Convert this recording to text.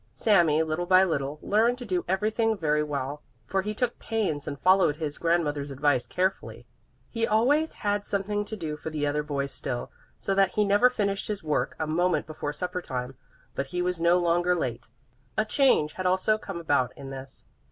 Sami, little by little, learned to do everything very well, for he took pains and followed his grandmother's advice carefully. He always had something to do for the other boys still, so that he never finished his work a moment before supper time. But he was no longer late. A change had also come about in this.